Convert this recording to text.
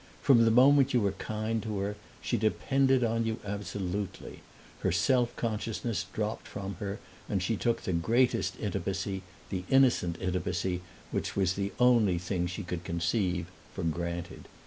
From the moment you were kind to her she depended on you absolutely; her self consciousness dropped from her and she took the greatest intimacy, the innocent intimacy which was the only thing she could conceive, for granted.